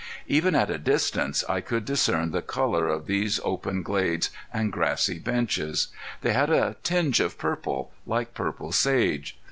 Even at a distance I could discern the color of these open glades and grassy benches. They had a tinge of purple, like purple sage.